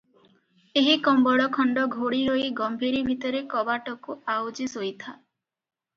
ଏହି କମ୍ବଳ ଖଣ୍ଡ ଘୋଡ଼ି ହୋଇ ଗମ୍ଭୀରି ଭିତରେ କବାଟକୁ ଆଉଜି ଶୋଇ ଥା ।